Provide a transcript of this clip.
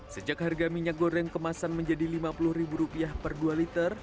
sejak harga minyak goreng kemasan menjadi lima puluh ribu rupiah per dua liter